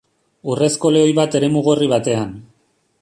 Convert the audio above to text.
Urrezko lehoi bat eremu gorri batean.